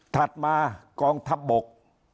ถัดมากองทัพบก